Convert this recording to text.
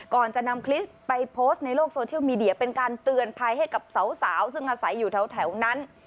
ก่อนจะนำคลิปไปโพสต์ในโลกโซเชียลมีเดียเป็นการเตือนภัยให้กับสาวซึ่งอาศัยอยู่แถวนั้น